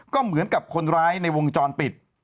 ก็เหมือนกับคนร้ายในวงจรปิด